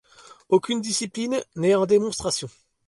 Aucune discipline n'est en démonstration.